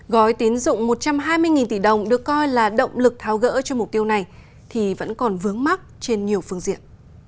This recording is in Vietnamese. gói tín dụng một trăm hai mươi tỷ đồng được coi là động lực tháo gỡ cho mục tiêu này thì vẫn còn vướng mắt trên nhiều phương diện